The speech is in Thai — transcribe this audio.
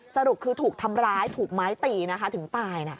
สรุปคือถูกทำร้ายถูกไม้ตีนะคะถึงตาย